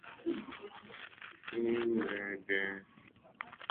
Ihe Mberede Okporo Ụzọ Abụọ Ọzọ Adapụtala n'Anambra